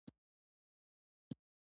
جګړه به د لنډ وخت لپاره ودرېده.